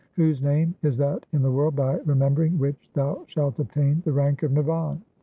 Whose name is that in the world by remembering which thou shalt obtain the rank of nirvan ?